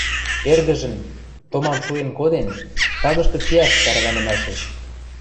Эргӹжӹн, томам шуэн коден, тагышкы кеӓш тӓрвӓнӹмӓшеш